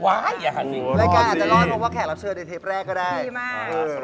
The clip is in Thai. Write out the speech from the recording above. รายการอาจจะรอดเพราะว่าแขกรับเชิญในเทปแรกก็ได้ดีมาก